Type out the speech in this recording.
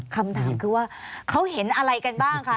คำถามเขาเห็นอะไรกันบ้างค่ะ